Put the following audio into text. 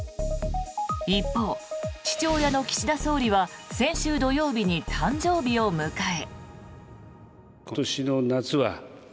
一方、父親の岸田総理は先週土曜日に誕生日を迎え。